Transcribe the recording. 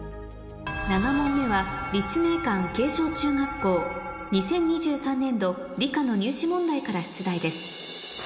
７問目は立命館慶祥中学２０２３年度理科の入試問題から出題です